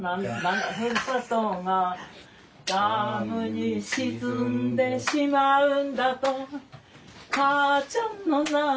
故郷がダムに沈んでしまうんだど母ちゃんのな